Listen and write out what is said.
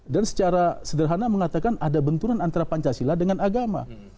dan secara sederhana mengatakan ada benturan antara pancasila dengan agama